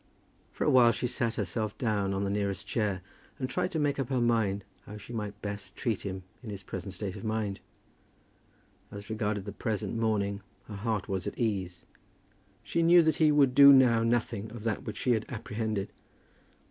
For a while she sat herself down on the nearest chair, and tried to make up her mind how she might best treat him in his present state of mind. As regarded the present morning her heart was at ease. She knew that he would do now nothing of that which she had apprehended.